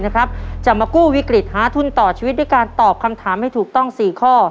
นะครับจะมากู้วิกฤตหาทุนต่อชีวิตด้วยการตอบคำถามให้ถูกต้อง๔ข้อ